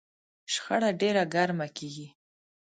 شخړه ډېره ګرمه کېږي.